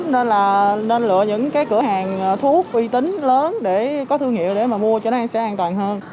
nên là nên lựa những cái cửa hàng thu hút uy tín lớn để có thương hiệu để mà mua cho nó sẽ an toàn hơn